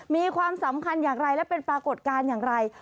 มีความสำคัญอย่างไรและเป็นปรากฏการณ์อย่างไร